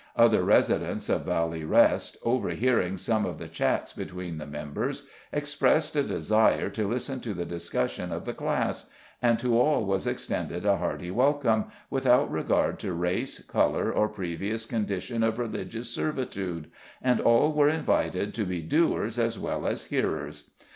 Other residents of Valley Rest, overhearing some of the chats between the members, expressed a desire to listen to the discussions of the class, and to all was extended a hearty welcome, without regard to race, color, or previous condition of religious servitude, and all were invited to be doers as well as hearers.